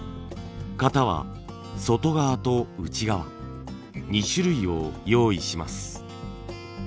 型は外側と内側２種類を用意します。